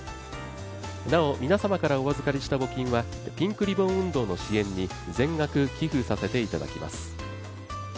なお、皆様からお預かりした募金はピンクリボン運動の支援に全額寄付させていただきます。